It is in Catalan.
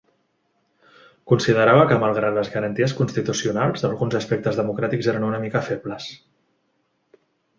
Considerava que, malgrat les garanties constitucionals, alguns aspectes democràtics eren una mica febles.